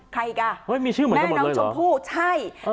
ใครอีกอ่ะเฮ้ยมีชื่อเหมือนกันหมดเลยเหรอแม่น้องชมพู่ใช่เออ